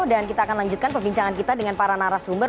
dan kita akan lanjutkan perbincangan kita dengan para narasumber